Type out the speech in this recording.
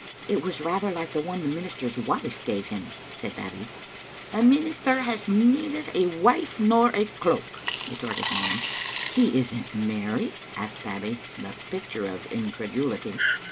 " It was rather like the one the minister's wife gave him," said Babbie. "The minister has neither a wife nor a cloak," re torted Nanny. " He isn't married?" asked Babbie, the picture of incredulity.